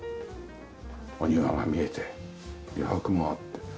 お庭が見えて余白もあって。